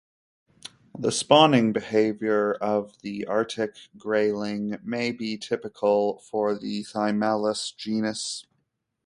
The spawning behavior of the Arctic grayling may be typical for the "Thymallus" genus.